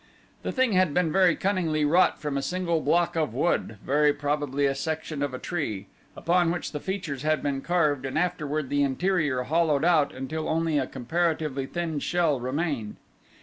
The thing had been very cunningly wrought from a single block of wood, very probably a section of a tree, upon which the features had been carved and afterward the interior hollowed out until only a comparatively thin shell remained.